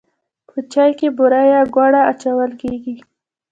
په چای کې بوره یا ګوړه اچول کیږي.